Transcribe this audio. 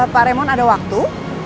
pak remon ada waktu